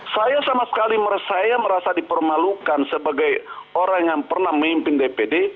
saya sama sekali saya merasa dipermalukan sebagai orang yang pernah memimpin dpd